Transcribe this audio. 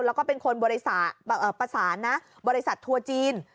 แล้วก็เป็นคนประสานนะบริษัททัวร์จีน